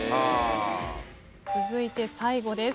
続いて最後です